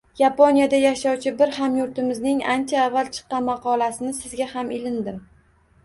Yaponiyada yashovchi bir hamyurtimizning ancha avval chiqqan maqolasini Sizga ham ilindim.